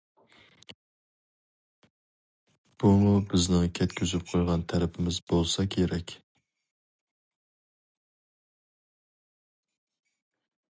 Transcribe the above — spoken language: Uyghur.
بۇمۇ بىزنىڭ كەتكۈزۈپ قويغان تەرىپىمىز بولسا كېرەك.